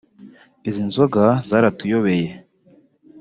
izi nzoga zaratuyobeye